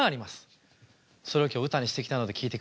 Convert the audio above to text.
それを今日歌にしてきたので聴いてください。